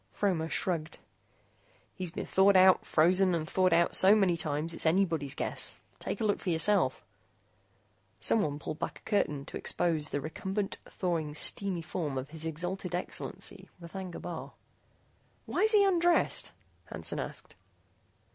Fromer shrugged. "He's been thawed out, frozen, and thawed out so many times, it's anybody's guess. Take a look for yourself." Someone pulled back a curtain to expose the recumbent, thawing, steamy form of His Exhalted Excellency R'thagna Bar. "Why's he undressed?" Hansen asked.